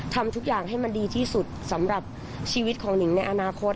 ทำทุกอย่างให้มันดีที่สุดสำหรับชีวิตของหนิงในอนาคต